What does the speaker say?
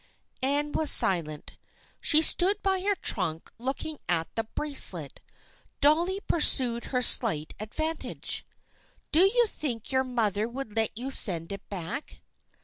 Anne was silent. She stood by her trunk, look ing at the bracelet. Dolly pursued her slight ad vantage. " Do you think your mother would let you send it back?"